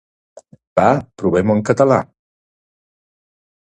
Va, provem-ho en català!